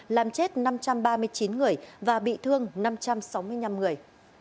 làm chết năm trăm ba mươi chín người và bị thương năm trăm sáu mươi năm người